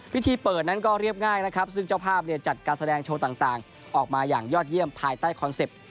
พิธีเปิดนั้นก็เรียบง่ายนะครับซึ่งเจ้าภาพเนี่ยจัดการแสดงโชว์ต่างออกมาอย่างยอดเยี่ยมภายใต้คอนเซ็ปต์